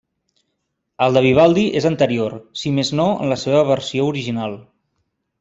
El de Vivaldi és anterior, si més no en la seva versió original.